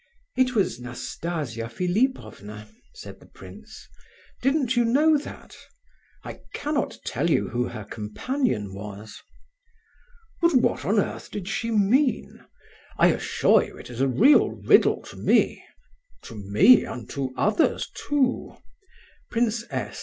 "It was Nastasia Philipovna," said the prince; "didn't you know that? I cannot tell you who her companion was." "But what on earth did she mean? I assure you it is a real riddle to me—to me, and to others, too!" Prince S.